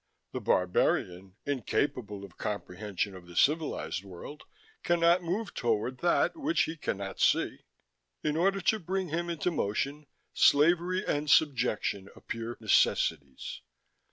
The barbarian, incapable of comprehension of the civilized world, cannot move toward that which he cannot see. In order to bring him into motion, slavery and subjection appear necessities.